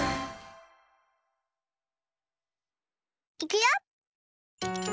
いくよ！